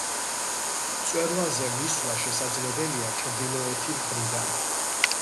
მწვერვალზე მისვლა შესაძლებელია ჩრდილოეთი მხრიდან.